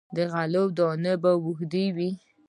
د غلو دانې په وږو کې وي.